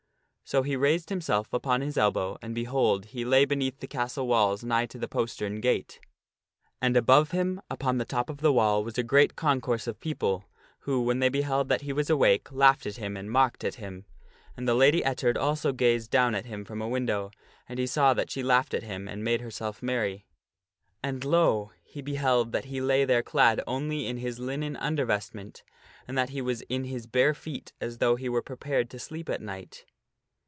So he raised himself upon his elbow, and behold ! he lay beneath the castle walls nigh to the postern gate. And above him, upon the top of the wall, was a great concourse of people, who, when they beheld that he was awake, laughed at him and mocked at him. And the Lady Ettard also gazed down at him from a window and he saw that she laughed at him and made herself merry. And lo ! he beheld that he lay there clad only in his linen undervestment, and that he was in his bare feet as though he were prepared to sleep at night.